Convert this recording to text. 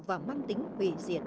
và mang tính hủy diệt